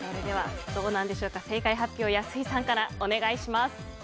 正解発表、安井さんからお願いします。